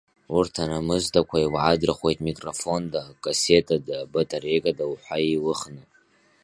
Урҭ анамысдақәа илаадырхәеит микрофонда, кассетада, батареикада уҳәа еилыхны.